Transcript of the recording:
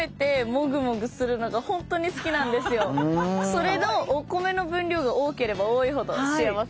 それのお米の分量が多ければ多いほど幸せです。